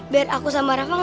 biar aku sama rafa gak tau